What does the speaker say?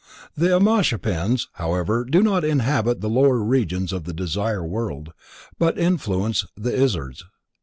The Ameshaspends, however, do not inhabit the lower Regions of the Desire World but influence the Izzards.